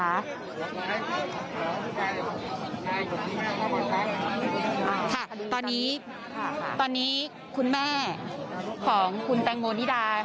ค่ะตอนนี้ตอนนี้คุณแม่ของคุณแตงโมนิดา